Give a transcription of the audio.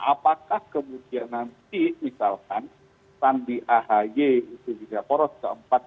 apakah kemudian nanti misalkan sandi ahaye itu juga poros keempat